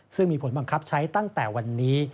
ซึ่งมีผลบังคับใช้ตั้งแต่วันนี้